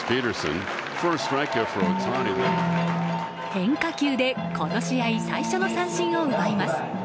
変化球でこの試合最初の三振を奪います。